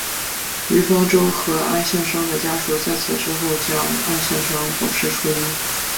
于方舟和安幸生的家属在此之后将安幸生保释出狱。